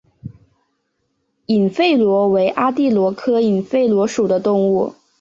隐肺螺为阿地螺科隐肺螺属的动物。